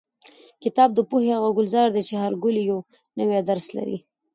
کتاب د پوهې هغه ګلزار دی چې هر ګل یې یو نوی درس لري.